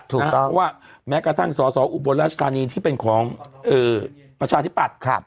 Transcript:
เพราะว่าแม้กระทั่งสอสออุบลราชธานีที่เป็นของประชาธิปัตย์